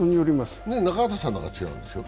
中畑さんなんか違うんでしょう？